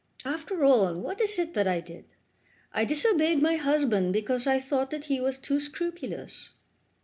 After all, what is it that I did? I disobeyed my husband because I thought that he was too scrupulous.